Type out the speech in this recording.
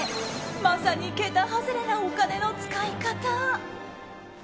まさに桁外れなお金の使い方。